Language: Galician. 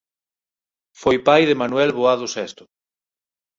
Foi pai de Manuel Boado Sesto.